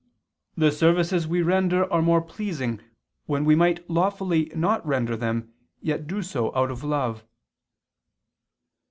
i, 14): "The services we render are more pleasing when we might lawfully not render them, yet do so out of love."